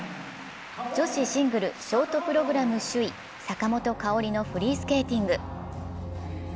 女子シングル、ショートプログラム首位・坂本花織のフリースケーティング。